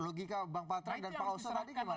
logika bang patra dan pak oso tadi gimana